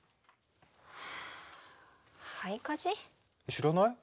知らない？